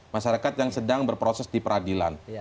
masyarakat yang sedang berproses di peradilan